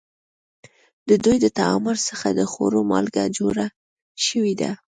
د دوی د تعامل څخه د خوړو مالګه جوړه شوې ده.